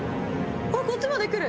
あっこっちまで来る。